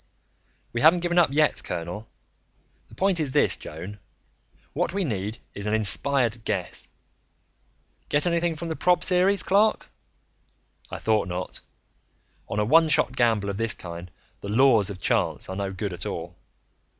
"We haven't given up yet, colonel. The point is this, Joan: what we need is an inspired guess. Get anything from the prob series, Clark? I thought not. On a one shot gamble of this kind, the 'laws' of chance are no good at all.